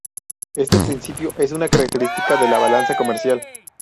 Este principio es una característica de la balanza comercial.